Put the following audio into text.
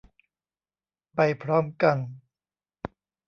ไปพร้อมกัน